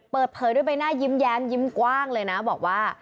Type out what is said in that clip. เปิดเผยด้วยใบหน้ายิ้มแย้มยิ้มกว้างเลยนะบอกว่า